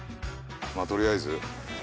まあとりあえず。